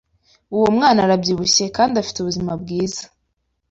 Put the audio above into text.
Uwo mwana arabyibushye kandi afite ubuzima bwiza.